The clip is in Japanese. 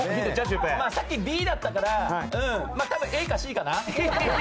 さっきＢだったから多分、ＡかＣかな。